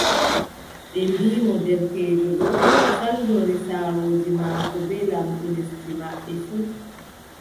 Ɓe mbii mo : derkeejo ɗo saldori saarooji maako bee lamɗo lesdi maɓɓe fuu,